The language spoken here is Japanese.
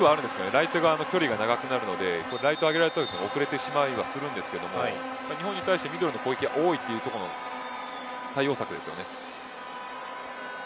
ライト側の距離が長くなるのでライト側上げられたときに遅れてしまいますが日本に対してミドル攻撃が多いというところの対応策ですよね。